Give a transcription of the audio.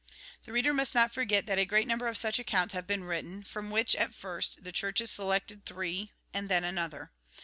The reader must not forget that a great number of such accounts have been written, from which, at first, the Churches selected three, and then another.